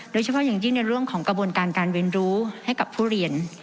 โดยเฉพาะอย่างยิ่งในเรื่องของกระบวนการการเรียนรู้ให้กับผู้เรียน